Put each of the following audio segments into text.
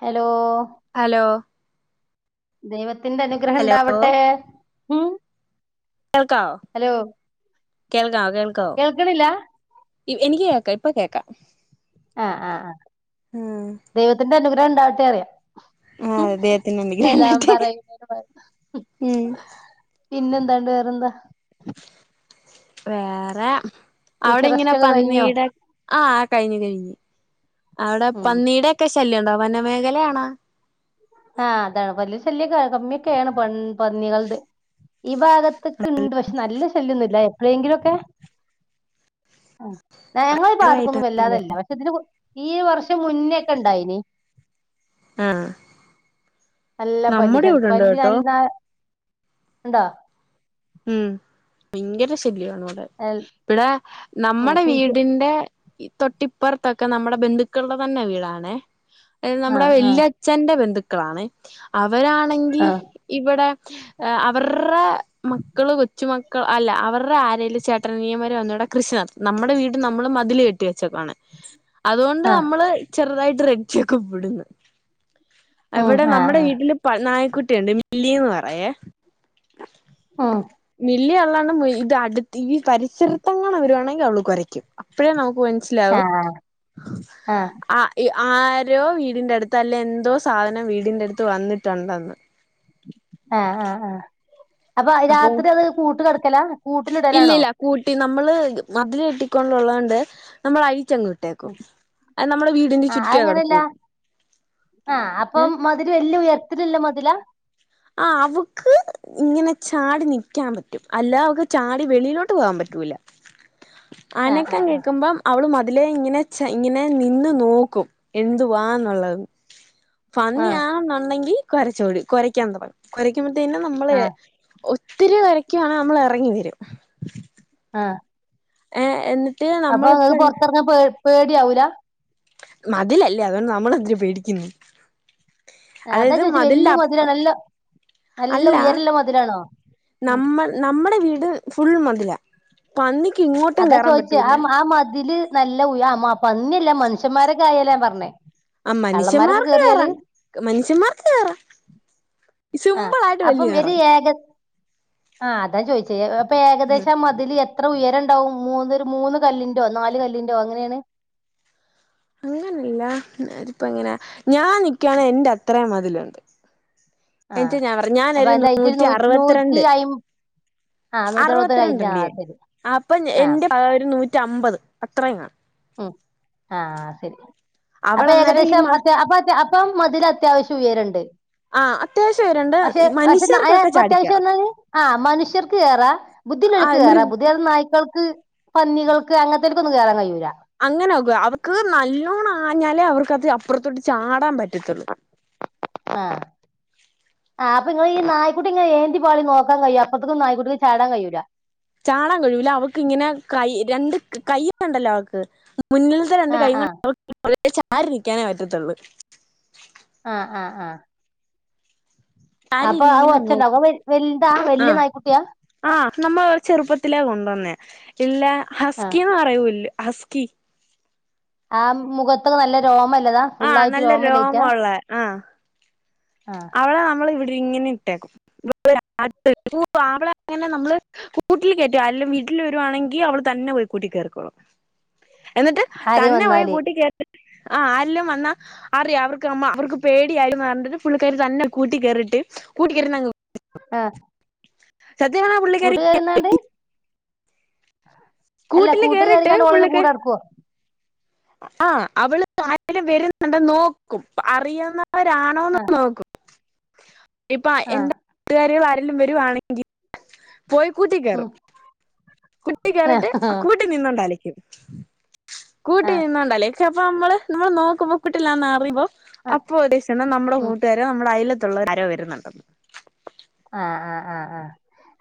Hello hello ദൈവത് ത്തിന്റെറെ അനുഗ്രഹം ഉണ്ടാവട്ടെ ഉം കേൾക്കാവ ഹലോ കേൾക്കാവ കേൾക്ക കേൾക്കണില്ല എനിക്ക് കേൾക്കാം ഇപ്പൊ കേക്ക ആ് ആ ആ് ദൈവത്തിന്റെ അനുഗ്രഹ രണ്ടാ ആത്തെേ അറിയാം ഉം ആഹ് ദൈവത്തിന്റ അനുഗ്രഹം സലാം ഉണ്ടാകട്ട പറയുന്നതിന് പകരം പിന്നെന്താണ്ട് വേറെന്താ വേറെ ഉച്ച അവിടെ ഇങ്ങനെ റസ്റ്റ് ഒക്കെ കഴിഞ്ഞോ പന്നീടെ ആ കഴിഞ്ഞ് കഴിഞ്ഞ് അവിടെ ഉം പന്നീടെ ഒക്കെ ശല്യംണ്ടാവ വനമേഖലയാണ് ആഹ അതാണ് പല്ിയല് ശല്യൊക്ക [unintelligible] കമ്മിയൊക്കെയാണ് പ പന്നികളുടെ ഈ ഭാഗത്തൊക്കെ ഉണ്ട് പക്ഷെ നല്ല ശല്യൊന്നും ഇല്ല അ എങ്കിലോക്കെ ആ ഞങ്ങള ആയിട്ട് ബാതിക്കൊന്നും വല്ലാതല്ല പക്ഷെ ഇതിന് ഈ വർഷം മുന്നേക്കെ ഉണ്ടായിനി ആഹ നല്ല പല്ലി ശല്യ പല്ലി നല്ലാ ഉണ്ടാ ഉം ഭയങ്കര ശല്യാ ഇവിടെ ഉം നമ്മടെ കുഴിച്ച് വീടിന്റെ ഈ തൊട്ടിപ്പുറത്തൊക്കെ നമ്മുടെ ബന്ധുക്കളുടെ തന്നെ വീടാണേ അത് നമ്മുടെ ആഹ് ആഹ് വല്യച്ഛന്റെ ബന്ധുക്ക ക്ണാണ് അവരാണെങ്കി ആഹ് ഇവിടെ അവർടെ മക്കള് കൊച്ചുമക്കൾ അല്ല അവർടെ ആരേലും ചേട്ടനനിയന്മാർ വന്നിവിടെ കൃഷിനടത്തും നമ്മുടെ വീട് നമ്മള് മതില് കെട്ടി വെച്ചേക്കാണ് അതുകൊണ്ട് ആഹ് നമ്മള് ചെറുതായിട്ട് [unintelligible] ഇവിടുന്ന് ഉം ഇവിടെ നമ്മടെ ആഹ് വീട്ടില് പ നായ കുട്ടിയുണ്ട് മില്ലീന്ന് പറയുവേ ആഹ് മില്ലിയുള്ളോണ്ട് [unintelligible] ഇത് അടുത്ത് ഈ പരിസരത്തെങ്ങാണും വരുവാണെങ്കി അവള് കൊരയ്ക്കും അപ്പഴേ നമു ക്ക് മനസിലാവും ആഹ് ആഹ് ആ [unintelligible] ആരോ വീടിന്റെ അടുത്ത് അല്ലെ എന്തോ സാധനം വീടിന്റെ അടുത്ത് വന്നിട്ടൊണ്ടെന്ന് ആഹ് ആഹ് ആഹ് അപ്പൊ രാത്രി അത് കൂട്ടി കിട ക്കലാ ഇല്ലില്ല കൂട്ടി ന മ്മള് മതില് കെട്ടിക്കൊണ്ടൊള്ളോണ്ട് നമ്മള് അയ് ആഹ് അത് ചുറ്റുവേ അങ്ങനെയല്ല കിടക്കുള്ളൂ ആഹ് അപ്പൊ ഏ മതില് വലിയ ഉയരത്തിലിള്ള മതിലാ ആഹ് അവക്ക് ഇങ്ങനെ ചാടി നിക്കാൻ പറ്റും അല്ലാതവക്ക് ചാടി വെളിയിലോട്ട് പോവാൻ പറ്റൂല. ആഹ് അനക്കം ആഹ് ആഹ് കേക്കുമ്പം അവള് മ തിലെ ഇങ്ങനെ ചെ ഇങ്ങനെ നിന്ന് നോക്കും എന്തുവാന്നൊള്ളത് ആഹ് പന്നിയാണെന്നൊണ്ടെങ്കി കൊരച്ചോളിൻ കൊരയ്ക്കാ എന്താകൊഴപ്പം കൊരക്കാൻ ത്തിനു നമ്മളെ ആഹ് ഒ ഒത്തിരി കരക്കുവാണെ നമ്മളെറങ്ങി വരും ആഹ ഏ എന്നി അപ്പൊ നിങ്ങക്ക് പുറത്തിറങ്ങാ പേ പേടിയാവുല്ല മതിലല്ലേ അതുകൊണ്ട് നമ്മളെന്തിന പേടിക്കുന്നെ അതാ ചോദിച്ചെ വല്യ മതില നല്ല നല്ല അല്ല ഉയരൊള്ള മതിലാണോ ഉം അത് ഫുൾ മതില അതാ ചോദിച്ചെ ആ മ ആ മതില് നല്ല ഉയ ആ മ പന്നിയല്ല മനു നുഷ്യന്മാരുടെ കാര്യവെല്ലാം പറഞ്ഞേ ആ മനുഷ്യന്മാർ കയറാ മനുഷ്യന്മാർയറാ ആ അപ്പം ഒരു ഏക ആഹ അതാ ചോദിച്ചേ ഏകദേശം മതില എ എത്ര ഉയരണ്ടാവും മൂന്ന് ഒരു മൂന്ന് കല്ലിറോ നാല് കല്ലിറോ അങ്ങനെയാണ് അങ്ങനല്ല ഇപ്പ എങ്ങനെ ഞാൻ നിക്കണ എൻന്റെ അത്രയും മതിലുണ്ട് ആഹ് എനി ഞ പറ അപ്പൊ ഞാനരു അതിന്റെ ഹൈറ്റ് നൂറ്റി നൂ നൂറ്റി അറുപത്തിരണ്ട് അയ് ആഹ് നൂറ്ററുപത് അറുപത്തിരണ്ട കഴിഞ്ഞ ഉണ്ടേ ആഹ് ശരി അപ്പൊ ആഹ് എന്റെ ഒരു നൂറ്റി നൂറ്റമ്പത് അത്രങ്ങാണ് ഉ ആഹ ശരി അവൾ അപ്പൊ അന്നേരം ഈ ഏകദേശം അപ്പ ഇപ്പം മതിൽ അത്യാവശ്യം ഉയരണ്ട് ആ അത്യാവശ്യം രണ്ട് പക്ഷെ പക്ഷെ മനുഷ്യർക്കൊക്കെ ചാടിക്കയറാം അത്യാവശ്യംന്ന ആ മനുഷ്യർക്ക് കേയറാ ബുദ്ധിക്ക് ആ മൃ കേയറാ ബുദ്ധി നായ്ക്കൾക്ക് പന്നികൾക്ക് അങ്ങനത്തെൊക്കൊന്നന്ന് കയറാൻ കഴിയൂരാ അങ്ങനെക്ക അവർക്ക് നല്ലോണം ആഞ്ഞാലേ അവർക്ക്ത് പ്ര ചാടാൻ പറ്റത്തുള്ളൂ ആ അപ്പൊ നിങ്ങള് ഈ ന്ക്കുട്ടിങ്ങെ ന്തി പാള നോക്കാൻ കഴിയോ അപ്പഴേക്കും നായക്കുട്ട ചാടൻ കഴിയൂല്ലാ ചാണം കഴൂല അവക്ക് ഇങ്ങനെ കൈ രണ്ട് കയ്യ ഉണ്ടല്ലോ അവക്ക് മുന്നിലത്തെ രണ്ട് ആഹ് കൈ ആഹ് ചാരി നിക്കാനെ പറ്റത്തുള്ള് ആ ആ ആ ആര് ഇനി ഇങ്ങനെ നോക്കും ഒച്ചണ്ടാവും വ വലുതാ ആ വല്യ നായ്ക്കുട്ടിയാ ആ നമ്മള് ചെറുപ്പത്തിലേ കൊണ്ടുവന്നേ ഇല്ല ആ ഹസ്കിന്ന് പററൂല്ല അസ്ക്കി ആ മുഖത്തൊക്ക നല്ല രോമല്ല ആ നല്ല രോമ ഉള്ള ആഹ ആ അവള നമ്മള് ഇ ഇങ്ങനെ ഇട്ടേക്കും അവള അങ്ങനെ നമ്മള് കൂട്ടിൽ കേയറ്റ എല്ലാം വീട്ടിൽ വരുവാണെങ്കിൽ അവള് തന്നെ പോയി കൂട്ടി കേയറക്കോളും എന്നിട്ട് ആരേം തന്നെ പോഴി വന്നാല് കൂട്ടി കേറി് ആ അരിലും വന്നാ അറിയാം അവർക്ക് അമ്മ അവർക്ക് പേടിയ ആായി പറഞ്ഞട്ട പുള്ളിക്കാരി തന്നെ കൂട്ട കയറിട്ട് കൂട്ടി കയറി ആ പറഞ്ഞാ പുള്ളിക്കാരി കൂട്ടുകരുന്നാണ്ട് അല്ല കൂട്ടില് കൂട്ട് കേറിട്ട് കെറിക്കാണ്ട് ഒളെന്നെ കൂട് പുള്ളിക്കാരി അടക്കോ ആ അവൾ ആരെലും വെരുന്ന് ഇണ്ടെന്ന് നോക്കും അറിയാന്നാ വെര് ആണോന്ന് ആ നോക്കും ഇപ്പാ ആ എന്തെ കൂട്ട്കാരികൾ ആരെ ലും വെരുവാണെങ്കി പോയി ഉം കൂട്ടിക്കെറും കൂട്ടി ആ കെറിട്ട് കൂട്ടിനിന്നു അലെക്കും ആ കൂട്ടി നിന്നോണ്ട് അല്ലെ ച്ചെ അപ്പ അമ്മൾ നമ്മൾ നോക്കുമ്പോ കിട്ടില്ലാന്ന് അറിയിമ്പോ ആ അപ്പ നമ്മെളെ ഉം കൂട്ട്കാരെ നമ്മെടെ അയലെ ത്തുള്ളോര് ആരോ വെരുന്നുണ്ടെന്ന് ആ ആ ആ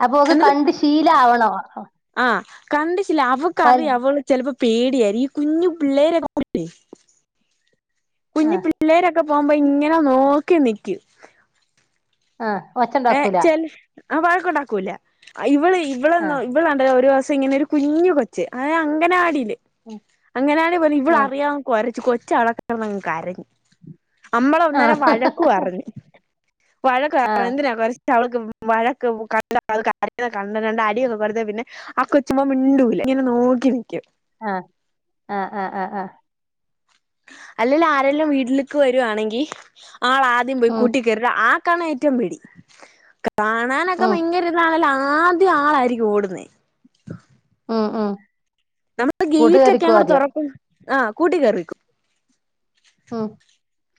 അപ്പൊ ഓക്ക് കണ്ട് ശീല ആവണോ ആ കണ്ട് ശീ അവക്കറിയാം അവള് ചിലപ്പോ പേടിയ ഈ കുഞ്ഞു പിള്ളേരെക്ക ആ കുഞ്ഞ് പിള്ളേരൊക്കെ ക്കെ പോകുമ്പോ ഇങ്ങനെ നോക്കി നിക്കൂ ആഹ് ഒച്ചണ്ടാക്കൂല ആ വഴക്കുണ്ടാക്കൂല്ല ഇവള് ആ ഇവളന്നോ ഇവിളണ്ട് ഒരുസം പ്പങ്ങനെ ഒരു കുഞ്ഞ് കൊച്ച് അത് അങ്ങനാടിലെ ഉം അങ്ങനെയാണ് ഇവള് ആ അറിയാ കൊരച്ചു കോരച്ചു കൊച്ച് അവിടെ കിടന്ന്ങ് കരഞ്ഞു കര അമ്മള ആ ഒന്നേരം വഴക്കു പറഞ്ഞു വഴക്ക് ആ എന്തിനാ പരസ് അവക്ക് വഴക്ക് കണ്ട് കണ്ട് അടിയൊക്കെ കൊടുത്ത് പിന്നെ ആക്കൊച്ചുമ്പോ മിണ്ടൂല്ല ഇങ്ങനെ നോക്കി നൽക്കും ആഹ് ആഹ് ആഹ് ആഹ് ആഹ് അല്ലല്ല ആരെല്ലാം വീട്ടിലേക്ക് വരുവാണെങ്കിൽ ആള ആദ്യം പോയി ഉം കൂട്ടി കേറി ആ ക്കാണ് ഏറ്റവും പേടി കാണാനൊക്കെ ഉം ഭയങ്കര ഇതാണല്ലോ ആദ്യം ആളായിരിക്കും ഓടുന്നേ ഉം ഉം നമ്മക്ക് ഗേയിറ്റൊക്കെ കൂട്ടുകേറിക്കോ അങ്ങൊട്ട് ആദ്യം തൊറക്കു ആഹ് കൂട്ടിക്കേറിനിക്കും ഉം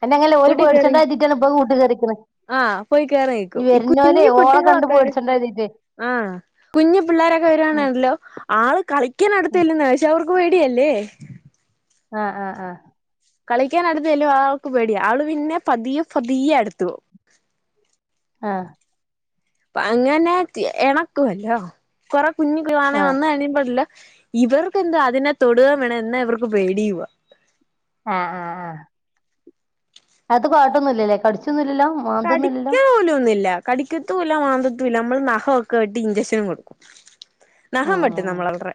അയ്നങ്ങല്ലെ ഓല് കേറി പേടിച്ചോണ്ടാരിക്കുല്ലോ [unintelligible] ആഹ് പോയി കേറി നിക്കും ഈ കുഞ്ഞ് ഓളെ കണ്ട് കുട്ടികളൊക്കെ പേടിച്ചണ്ട കരുതിട്ട് ആഹ് കുഞ്ഞു പിള്ളോരൊക്കെ ഉം വരുണല്ലോ ആള് ഉം കളിക്കണടുത്ത്ചെല്ല്ന്നയ പക്ഷെ അവർ- പേടിയല്ലേ? ആഹ് ആഹ് ആഹ്- കളിക്കാൻ അടുത്ത് ചെല്ല്വാ അവക്ക് പേടിയ അവള് പിന്നെ പതിയെ പതിയെ അടുത്തു പോവും - ആഹ്- അങ്ങനെ എണക്കുവല്ലോ കൊറ- കുഞ്ഞുങ്ങ്ളാണെേ ആഹ് ആഹ് വന്ന് കഴിയൻ പാടില്ല - ഇവർക്ക്ന്താ അതിനെ തൊടുകേം വേണം എന്നാ ഇവർക്ക് പേടിയുവാ- ആഹ് ആഹ് ആഹ് - അത് കൊഴപ്പമൊന്നുമില്ലല്ലേ കടിച്ചൊന്നുമില്ലല്ലോ? കടിക്കാ പോലൊന്നുല്ല കടിക്കത്തുല്ല മാന്തത്തു- ഇല്ല നമ്മൾ നഹം ഒക്കെ വെട്ടി ഇഞ്ചെക്ഷനും കൊടുക്കും- ഉം നഹം വട്ടും ഉം നമ്മളവർട്രേ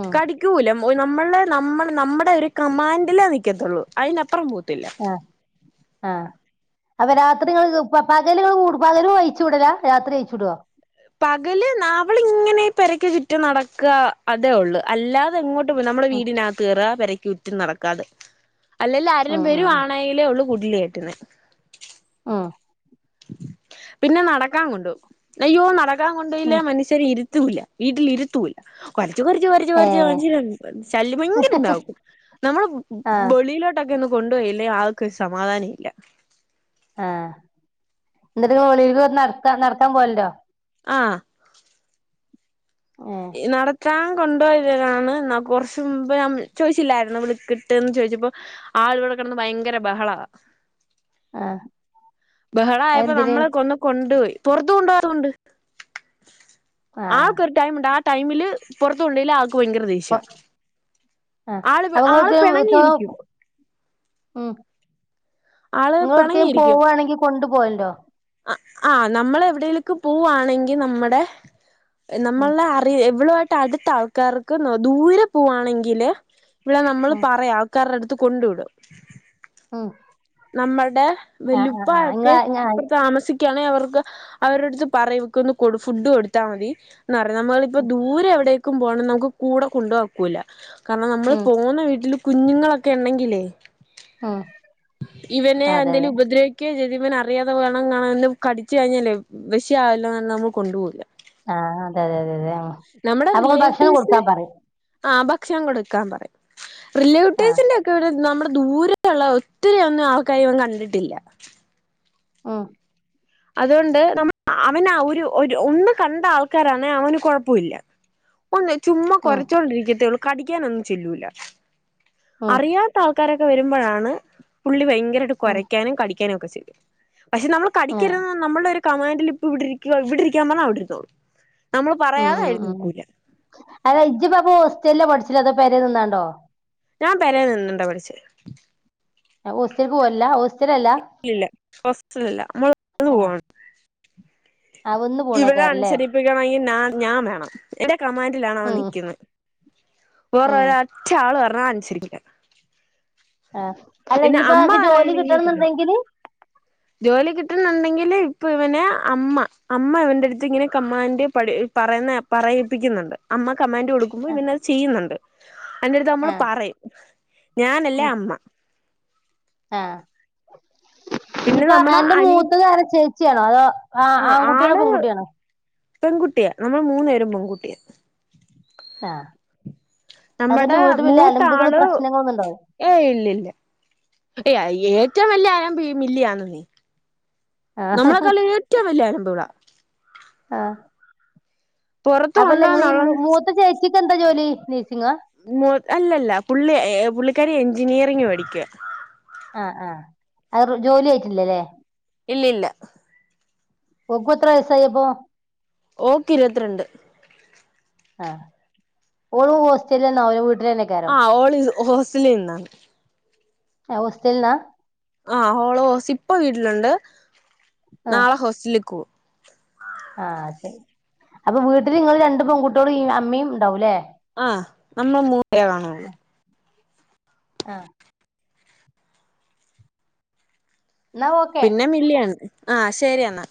ഉം കടിക്കൂല- പോയി നമ്മള് നമ്മള് നമ്മടെ ഒരു കമാൻഡിലേ നിക്കത്തൊള്ളൂ അതിനപ്പുറം പോ ത്തില്ല- ഉം ആഹ് ആഹ് അപ്പൊ രാത്രി നിങ്ങൾ പകലുൾ പകലും അഴിച്ചു വിടൂല രാത്രി അഴിച്ചു വിടുവോ? പകല് അവളിങ്ങനെ പെരക്ക് ചുറ്റ നടക്കുക അതേ ഒള്ള് അല്ലാതെ എങ്ങോട്ട് നമ്മടെ ഉം വീടിനകത്ത് കേറ പെര ക്ക് ചുറ്റും നടക്കാ തെ. അല്ലെലും ആരെലും ഉം ഉം വെരുവാണെയിലേ ഒള്ളൂ കു വെല്ല്യേട്ടന് ആഹ്. പിന്നെ നടക്കാൻ കൊണ്ടോവും അയ്യോ നട ക്കാൻ കൊണ്ടോയില്ല ഉം മന്ഷ്യന് ഇരി ത്തൂല വീട്ടില് ര്ത്തൂല ക്കൊ ര്ച്ച് കൊര്ച്ച് കൊര്ച്ച് ഏഹ് കൊര്ച്ച് [unintelligible] ശല്യം ഭയങ്കര ണ്ടാകും നമ്മള് ബ് ബ് ആഹ് ബളിയിലോട്ടൊക്കൊന്ന് കൊണ്ടോയില്ലേ ആക്ക് സമാധാന ഇല്ല. ആഹ് ന്നട്ട് [unintelligible] വെളിയില് നടക്കാ നടത്താം പോവല്ണ്ടോ? ആഹ് ഏഹ് ഇ നട ത്താൻ കൊണ്ട് പോയതാണ് ന്ന കൊർച്ച് മുമ്പ് ഞാം ചോയ്ച്ചില്ലായിര്ന്നോ വിള് ക്ക്ട്ട്ന്ന് ചോയ്ച്ചപ്പോ ആള് വടെ കെടന്ന് ഭയങ്കര ബഹളാ. ആഹ് ബഹള ആയപ്പോ അതെന്തിന് നമ്മള ഒന്ന് കൊണ്ടുപോയി. പുറത്ത കൊണ്ടോവാത്ത കൊണ്ട്. ആഹ് ആൾക്കൊരു ടൈം ഉണ്ടാ ടൈമില് പുറത്തുണ്ടെ അ അ ആള് ആള് അങ്ങക്ക് പിണങ്ങിയിരിക്കും ഉം. ആള് നിങ്ങ എടക്കും പോവുവാണെങ്കിൽ കൊണ്ട പോയിണ്ടോ? അ ആഹ് നമ്മൾ എവിടെേലേക്ക് പോവുവാണെങ്കിൽ നമ്മുടെ ഉം നമ്മള അറിയ എവിളോ അടുത്ത ആൾക്കാർക്ക് ദൂരെ പോവാണെങ്കില് ഇവിടെ നമ്മള് ഉം പറയാം ആൾക്കാടെ അടുത്ത് കൊണ്ടു വിടും. ഉം. നമ്മുടെ ആഹ് ആഹ് ആഹ് ഇങ്ങള് വെല്ലുപ്പൊക്കെ ഇങ്ങള് ഇപ്പ താമസിക്ക അവർക്ക് അവരുടെ അടുത്ത് പറയും ഇവർക്ക് ഒന്ന് കൊടു ഫുഡ് കൊടുത്താൽ മതി. എന്ന നമ്മളപ്പോ ദൂരെ എവിടെ പോ നമുക്ക് കൂടെ കൊണ്ടോവാൻ ഒക്കൂല്ല. കാരണം നമ്മള് ഉം പോകുന്ന വീട്ടില് കുഞ്ഞുങ്ങളൊക്കെ ഉണ്ടെങ്കില് അ ഇവനെ അന്തേലും ഉഭദ്രക്കെ ചെ അറിയാതെ വേണം [unintelligible] കടിച്ചച്ച് കഴിഞ്ഞാൽ വിഷിയ ആല്ലോ എന്നല്ല നമ്മൾ കൊണ്ടുപോകില്ല ആഹ അതെഅതെ അതെ നമ്മുടെ അപ്പൊങ്ങൾ ഭക്ഷണം റിലേറ്റീവ്സിന് കൊടുത്താൻ പറയ് ആ ഭക്ഷണം കൊടുക്കാൻ പറയ ആഹ് റിലേറ്റീവ്സിന്റക്കെ ഒക്കെ നമ്മ ദൂരള്ള ഒരു ഒത്തിരി ഒന്നും ആ കൈവൻ കണ്ടിട്ടില്ല അ അതുകൊണ്ട് നമ്മ അവന ഒരു ഒന്ന് കണ്ട ആൾക്കാരാണ് അവന് കൊഴപ്പമില്ല ഒന്ന ചുമ് ഉം കുറച്ചോണ്ടിരിക്കത്തേള്ളൂ കടിക്കാനെന്നുംചെല്ലൂല ഉം അറിയാത്ത ആൾക്കാരെ വരുമ്പോഴാണ് പുള്ളി ഭയക- ഉം കുയ്ക്കാനും മരിക്കാനും നോക്കെ ചെയ്യും പക്ഷെ നമ്മൾ ക- ആഹ് [unintelligible] നമ്മളന്ന ഒരു കമാൻറ്റിൽ ഇപ്പ ഇവിടെ ഇരിക്ക ഇവിടെ ഇരിക്കാൻ പറഞ്ഞാൽഅവിടെന്നോള്ളു ഉം ഉ ഉ അല്ല ഇച്ച് പ്പ അ ഓസ്റ്റലില പഠിച്ച [unintelligible] അതോ പേരെ നിന്നാണ്ടോ ഞാൻ പര നിന്നിണ്ടോ പഠിച്ച ഞാൻ ഓസ്റ്റലിൽക് പോവല്ലല്ല ഓസ് ഇല്ല ഫാസ്റ്റിലില്ല നമ്മള് ആഹ് പോവാണ് ആഹ് വന്ന് ഇവിടെ പോണേക്കാരല്ലേ അനുസരിപ്പിക്കണമെങ്കിൽ ൻ ഞാൻ വേണം എന്റെ കമാൻറിലാണ് അവൻ ഉം നിക്ന് വേറെ ഉം ഒരറ്റ ആളും യെ അനുസരിക്കില്ല അ അല്ല പിന്നെ അമ്മ ഇനിയിപ്പോആൾക് ജോലി പറയാണെങ്കി കിട്ടണം പറയും എന്നുണ്ടെങ്കില് ജോലി കിട്ടുന്നുണ്ടെങ്കില് ഇപ്പ ഇവനെ അമ്മ അമ്മ ഇവന്റെ അടുത്ത് ഇങ്ങനെ കമ്മാൻഡറ് പ പറയുന്ന പറയിപ്പിക്കുന്നുണ്ട് അമ്മ കമാൻഡറ് കൊടുക്കുമ്പോ ഇവൻ അത് ചെയ്യുന്നുണ്ട് അതിനറടുത്ത് നമ്മള് ആഹ് പറയും ഞാനല്ലേ അമ്മ ആ പിന്നെ നമ്മടെ ഇനിപ്പോഎന്റെ അനി മൂത്ത് ആരാ ചേച്ചിയാണോ അതോ ആ ആൺകുട്ടിയാണോ പെൺകുട്ടിയാണോ പെൺകുട്ടിയ നമ്മൾ മൂന്നു പേരും പെൺകുട്ടിയ അ നമ്മുടെ മൂത്താള് പ്രശ്നങ്ങളൊന്നും ഉണ്ടാവില്ല ഏ ഇല്ലില്ല ഏറ്റവും വലിയ അലമ്പ് ഈ മില്ലിയാന്ന് നീ ആഹ് നമ്മളെ കാളീ ഏറ്റവും വലിയ അലംമ്പ് കളാ ആ പുറത്ത് അപ്പ ലെ നിങ്ങള ഈ കൊണ്ടോന്നുള്ള മൂ മൂത്ത ചേച്ചി ച്ചിക്ക് എന്താ ജോലി നഴ്സിംഗോ മൂ അല്ലല്ല പുള്ളി എ ഏ പുള്ളി കാരി എഞ്ചിനീയറിംഗ് പഠിക്കുവാ അ ആ അവറ് ജോലി ആയിട്ടില്ലല്ലേ ഇല്ലില്ല ഓക്കു എത്ര വയസായെപ്പോ ഓക്കെ ഇരുപത്തിരണ്ട് ആ ഓരോ ഹോസ്റ്റലീന്ന് അവരെ വിട് ആ ഓളീ ഹോസറ്റലീന്നാ ആ ഹോസ്റ്റൽലാ ആ ഓള് ഹോസ്റ്റ ഇപ്പ വീട്ടിലുണ്ട് ആ നാള ഹോസ്റ്റലിക്ക് പോകും ആ ശരി അപ്പ വീട്ടില് നിങ്ങൾ രണ്ട് പെൺകുട്ട്യോളും ഈ അമ്മയും ഉണ്ടാവൂല്ലേ ആ നമ്മ മൂത്തയാളാണു പോയേ ആ എന്നാ ഓക്കെ പിന്നെ മില്ലിയാണ് ആ ശെരിയെന്നാ